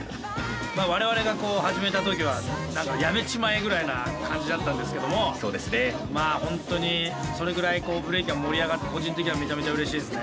我々が始めた時はやめちまえぐらいな感じだったんですけどもまあ本当にそれぐらいこうブレイキンが盛り上がって個人的にはめちゃめちゃうれしいですね。